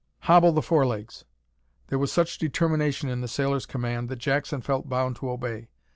"Hobble the fore legs!" There was such determination in the sailor's command, that Jackson felt bound to obey.